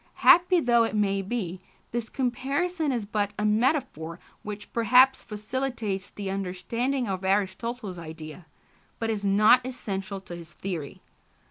Happy though it may be, this comparison is but a metaphor which perhaps facilitates the understanding of Aristotle's idea, but is not essential to his theory.